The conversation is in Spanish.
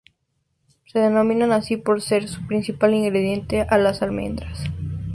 Se denominan así por ser su principal ingrediente las almendras.